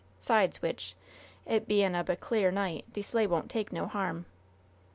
'Sides w'ich, it bein' ob a cl'ar night, de sleigh won't take no harm."